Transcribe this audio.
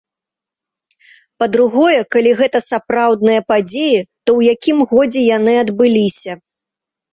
Па-другое, калі гэта сапраўдныя падзеі, то ў якім годзе яны адбыліся.